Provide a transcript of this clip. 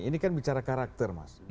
ini kan bicara karakter mas